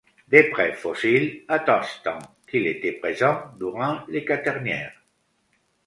Des preuves fossiles attestent qu'il était présent durant le quaternaire.